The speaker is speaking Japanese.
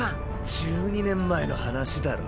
１２年前の話だろ？怒。